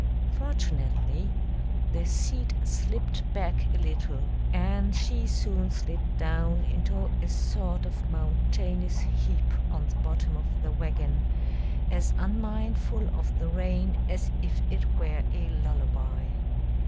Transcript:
Fortunately the seat slipped back a little, and she soon slid down into a sort of mountainous heap on the bottom of the wagon, as unmindful of the rain as if it were a lullaby.